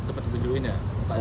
seperti ditujuin ya